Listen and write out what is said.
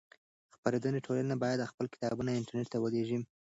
خپرندويې ټولنې بايد خپل کتابونه انټرنټ ته ولېږي.